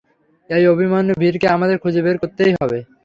এই আভিমন্যু ভীরকে আমাদের খুঁজে বের করতেই হবে।